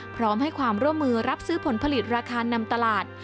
พร้อมให้ความร่วมมือรับซื้อผลผลิตราคานำตลาด